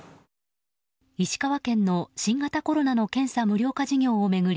石川県の、新型コロナの検査無料化事業を巡り